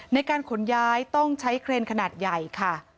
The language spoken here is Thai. ในการขนย้ายต้องใช้เครนขนาดใหญ่ค่ะ